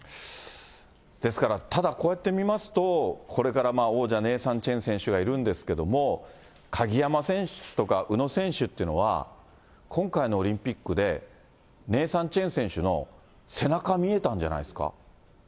ですから、ただ、こうやって見ますと、これから王者、ネイサン・チェン選手がいるんですけども、鍵山選手とか、宇野選手っていうのは、今回のオリンピックで、ネイサン・チェン選手の背中見えたんじゃないですか。